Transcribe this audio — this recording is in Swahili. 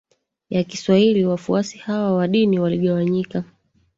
ya Kiswahili Wafuasi hawa wa dini waligawanyika